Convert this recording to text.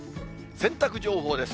洗濯情報です。